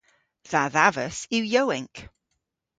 Dha dhavas yw yowynk.